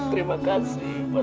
terima kasih untuk ibu saya